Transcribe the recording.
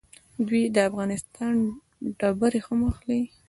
دوی د افغانستان ډبرې هم اخلي.